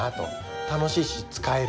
楽しいし使える。